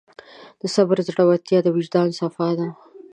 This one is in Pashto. د صبر زړورتیا د وجدان صفا ده.